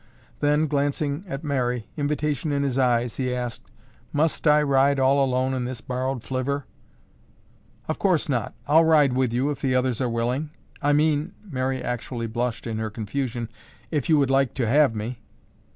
Then, glancing at Mary, invitation in his eyes, he asked, "Must I ride all alone in this borrowed flivver?" "Of course not! I'll ride with you if the others are willing. I mean," Mary actually blushed in her confusion, "if you would like to have me."